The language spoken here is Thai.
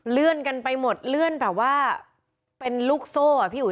เลื่อนกันไปหมดเลื่อนแบบว่าเป็นลูกโซ่อ่ะพี่อุ๋